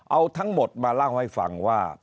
เอาทั้งหมดมาเล่าให้ฟังว่า